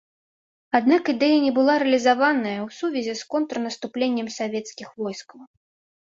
Аднак ідэя не была рэалізавана ў сувязі з контрнаступленнем савецкіх войскаў.